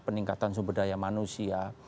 peningkatan sumber daya manusia